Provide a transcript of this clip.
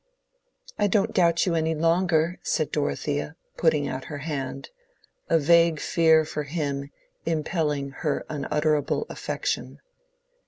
"I don't doubt you any longer," said Dorothea, putting out her hand; a vague fear for him impelling her unutterable affection.